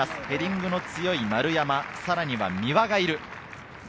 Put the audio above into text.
ヘディングの強い丸山、さらには三輪がいる。